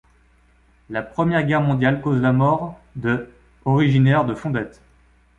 La Première Guerre mondiale cause la mort de originaires de Fondettes.